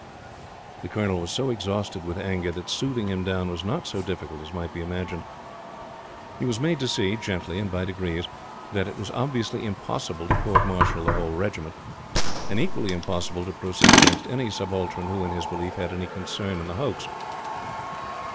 The Colonel was so exhausted with anger that soothing him down was not so difficult as might be imagined. He was made to see, gently and by degrees, that it was obviously impossible to court martial the whole Regiment, and equally impossible to proceed against any subaltern who, in his belief, had any concern in the hoax.